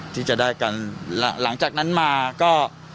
ที่จะได้กันหลังจากนั้นมาก็